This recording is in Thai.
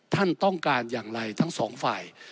ท่านต้องการอย่างไรทั้งสองฝ่าย